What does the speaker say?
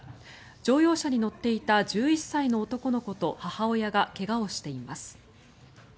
乗用車に乗っていた１１歳の男の子と母親が怪我をしています。